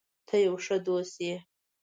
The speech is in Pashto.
ته یو ښه دوست یې.